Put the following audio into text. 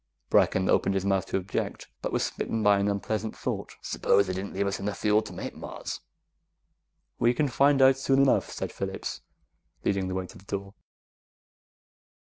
Brecken opened his mouth to object, but was smitten by an unpleasant thought. "Suppose they didn't leave us enough fuel to make Mars!" "We can find out soon enough," said Phillips, leading the way to the door.